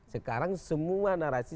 sekarang semua narasi